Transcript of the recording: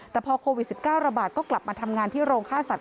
แต่พอโควิด๑๙ระบาดก็กลับมาทำงานที่โรงค่าสัตว